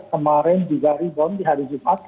kemarin juga rebound di hari jumat